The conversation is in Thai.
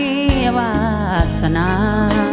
ใครไรวาสนา